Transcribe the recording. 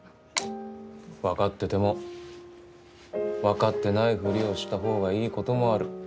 分かってても分かってないふりをした方がいいこともある。